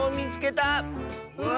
うわ！